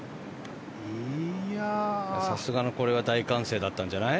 さすがにこれは大歓声だったんじゃない？